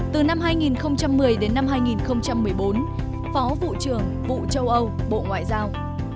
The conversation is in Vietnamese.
từ năm hai nghìn một mươi đến năm hai nghìn một mươi bốn phó vụ trưởng vụ châu âu bộ ngoại giao